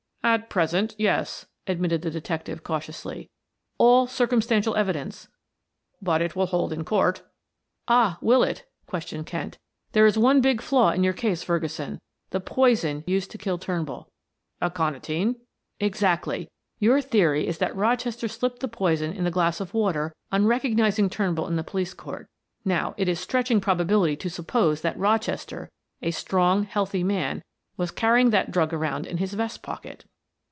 "At present, yes," admitted the detective cautiously. "All circumstantial evidence " "But it will hold in court " "Ah, will it?" questioned Kent. "There's one big flaw in your case, Ferguson; the poison used to kill Turnbull." "Aconitine?" "Exactly. Your theory is that Rochester slipped the poison in the glass of water on recognizing Turnbull in the police court; now, it is stretching probability to suppose that Rochester, a strong healthy man, was carrying that drug around in his vest pocket."